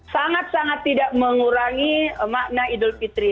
sangat sangat tidak mengurangi makna idul fitri